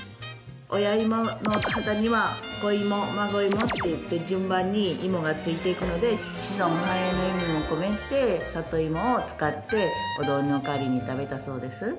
親芋の肩には子芋孫芋っていって順番に芋がついていくので子孫繁栄の意味も込めて里芋を使ってお雑煮の代わりに食べたそうです。